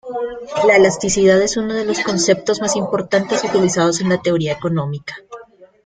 La elasticidad es uno de los conceptos más importantes utilizados en la teoría económica.